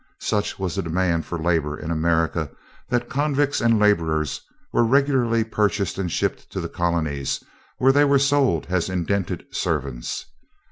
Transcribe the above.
Such was the demand for labor in America that convicts and laborers were regularly purchased and shipped to the colonies where they were sold as indented servants.